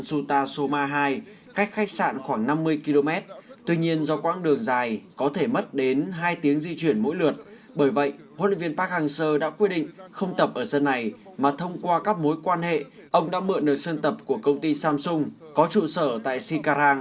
xin chào và hẹn gặp lại